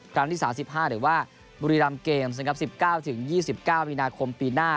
ครั้งที่๓๕หรือว่าบุรีรำเกมส์นะครับ๑๙๒๙มีนาคมปีหน้า